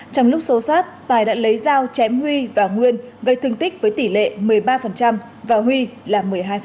trong lúc xô sát tài đã lấy dao chém huy và nguyên gây thương tích với tỷ lệ một mươi ba và huy là một mươi hai